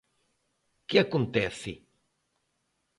¿Que acontece?